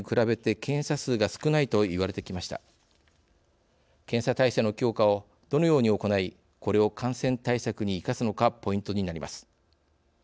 検査体制の強化をどのように行いこれを感染対策に生かすのかポイントになります。